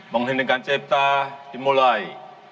mengheningkan cipta dimulai